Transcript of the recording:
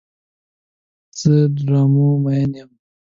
زه د ډرامو مین یم.